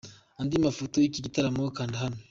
Andi mafoto y'iki gitaramo: kanda hano.